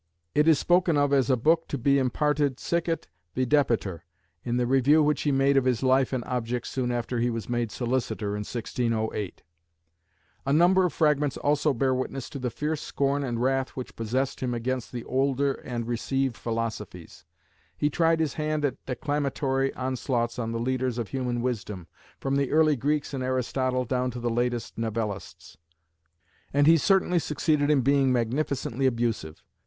It is spoken of as a book to be "imparted sicut videbitur," in the review which he made of his life and objects soon after he was made Solicitor in 1608. A number of fragments also bear witness to the fierce scorn and wrath which possessed him against the older and the received philosophies. He tried his hand at declamatory onslaughts on the leaders of human wisdom, from the early Greeks and Aristotle down to the latest "novellists;" and he certainly succeeded in being magnificently abusive.